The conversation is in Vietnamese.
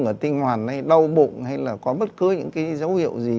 ở tinh hoàn hay đau bụng hay là có bất cứ những cái dấu hiệu gì